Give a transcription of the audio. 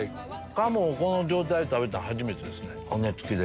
鴨をこの状態で食べたん初めてですね骨付きで。